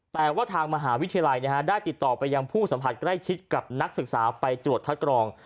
แต่ว่าทางมหาวิทยาลัยได้ติดต่อไปยังผู้สัมผัสใกล้ชิดกับนักศึกษาไปตรวจคัดกรอง